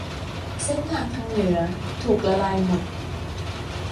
เส้นทางทางเหนือถูกละลายหมด